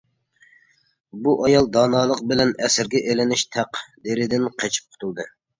بۇ ئايال دانالىق بىلەن ئەسىرگە ئېلىنىش تەقدىرىدىن قېچىپ قۇتۇلدى.